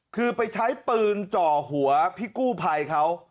คือไปใช้ปืนจ่อหัวพี่กู้ภัยเขา